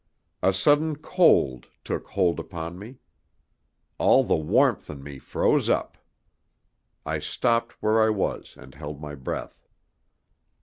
A sudden cold took hold upon me. All the warmth in me froze up. I stopped where I was and held my breath.